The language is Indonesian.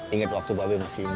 ingat waktu babe masih muda